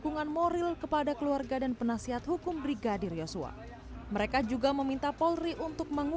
kenapa dia dibunuh dan supaya jangan terjadi lagi